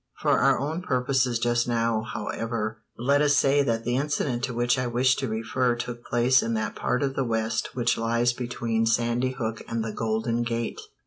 For our own purposes just now, however, let us say that the incident to which I wish to refer took place in that part of the West which lies between Sandy Hook and the Golden Gate.